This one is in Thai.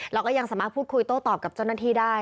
เราก็ยังสามารถพูดคุยโต้ตอบกับเจ้าหน้าที่ได้